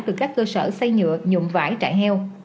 từ các cơ sở xây nhựa nhụm vải trại heo